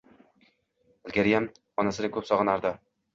Ilgariyam onasini ko‘p sog‘inardi